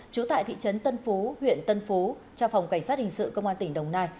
trú tại thị trấn tân phú huyện tân phú cho phòng cảnh sát hình sự công an tỉnh đồng nai